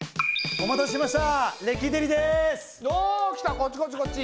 お待たせしました。